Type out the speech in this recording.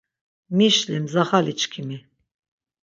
Mişli mzaxaliçkimi.